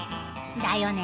だよね。